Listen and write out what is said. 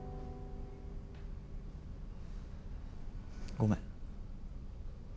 ごめん。